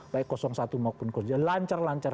baik satu maupun dua lancar lancar